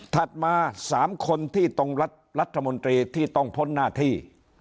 ถัดมา๓คนที่ตรงรัฐมนตรีที่ต้องพ้นหน้าที่